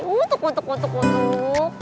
untuk untuk untuk untuk